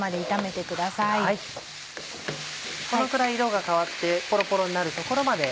このくらい色が変わってポロポロになるところまで。